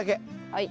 はい。